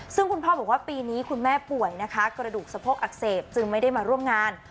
ซึ่งคุณพ่อบอกว่าปีนี้คุณแม่ป่วยนะคะกระดูกสะโพกอักเสบจึงไม่ได้มาร่วมงาน